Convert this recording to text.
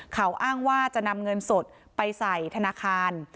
เขาอ้างว่าจะนำเงินสดไปใส่ธนาคาร